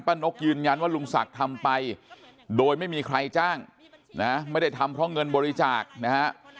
นกยืนยันว่าลุงศักดิ์ทำไปโดยไม่มีใครจ้างนะไม่ได้ทำเพราะเงินบริจาคนะฮะ